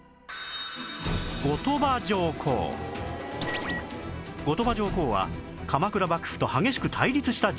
後鳥羽上皇は鎌倉幕府と激しく対立した人物